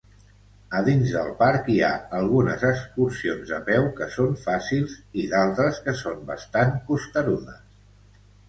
A dins del parc, hi ha algunes excursions a peu que són fàcils i d'altres que són bastant costerudes.